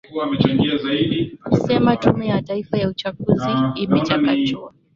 sema tume ya taifa ya uchaguzi imechakachuwa